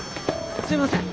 すいません。